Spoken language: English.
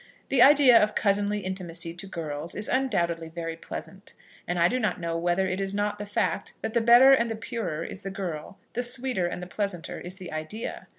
The idea of cousinly intimacy to girls is undoubtedly very pleasant; and I do not know whether it is not the fact that the better and the purer is the girl, the sweeter and the pleasanter is the idea.